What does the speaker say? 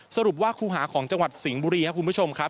สรุปว่าคู่หาของจังหวัดสิงห์บุรีครับคุณผู้ชมครับ